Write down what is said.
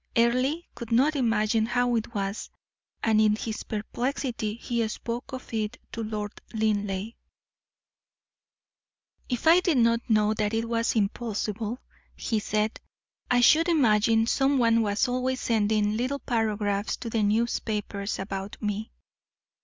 Earle could not imagine how it was, and in his perplexity he spoke of it to Lord Linleigh. "If I did not know that it was impossible," he said, "I should imagine some one was always sending little paragraphs to the newspapers about me."